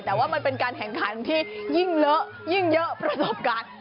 แต่ว่ามันเป็นการแข่งขันที่ยิ่งเลอะยิ่งเยอะประสบการณ์